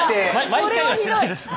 毎回はしてないです